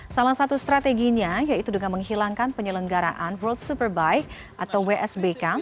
salah satu strateginya yaitu dengan menghilangkan penyelenggaraan world superbike atau wsbk